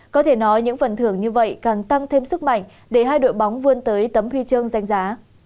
có thể nói những phần thưởng như vậy càng tăng thêm sức mạnh để hai đội bóng vươn tới tấm huy chương danh giá